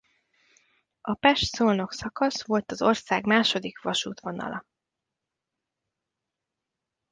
A Pest-Szolnok szakasz volt az ország második vasútvonala.